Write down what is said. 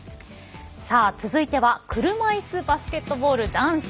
続いては車いすバスケットボール男子。